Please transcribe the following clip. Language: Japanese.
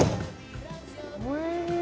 おいしい！